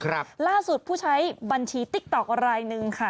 ครับล่าสุดผู้ใช้บัญชีติ๊กต๊อกรายหนึ่งค่ะ